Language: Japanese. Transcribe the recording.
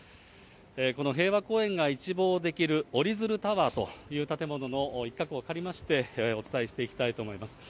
この平和公園が一望できるおりづるタワーという建物の一角を借りまして、お伝えしていきたいと思います。